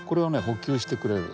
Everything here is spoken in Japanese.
補給してくれる。